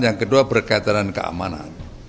yang kedua berkaitan dengan keamanan